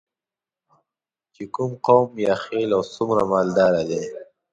چې کوم قوم یا خیل او څومره مالداره دی.